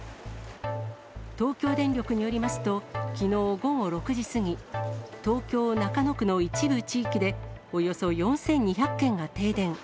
東京電力によりますと、きのう午後６時過ぎ、東京・中野区の一部地域で、およそ４２００軒が停電。